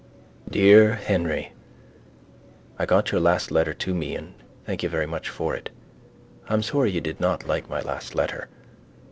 Dear Henry I got your last letter to me and thank you very much for it. I am sorry you did not like my last letter.